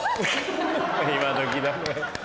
今どきだね。